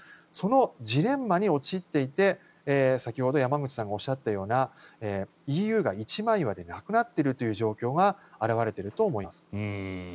そのジレンマに陥っていて先ほど山口さんがおっしゃったようなＥＵが一枚岩でなくなっているという状況が表れていると思います。